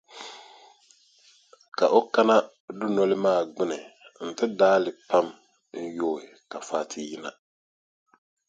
Ka o kana dunoli maa gbuni nti daai li pam n-yooi ka Fati yina.